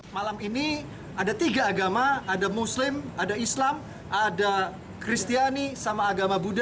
malam ini ada tiga agama ada muslim ada islam ada kristiani sama agama buddha